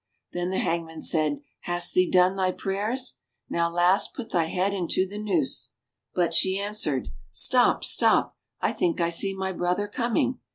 Then the hangman said, *'Hast thee done thy prayers? Now, lass, put thy head Into the noose." But she answered, "Stop, stop, I think I see my brother coming!"